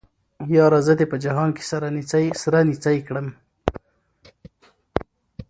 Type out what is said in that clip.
ياره زه دې په جهان کې سره نيڅۍ کړم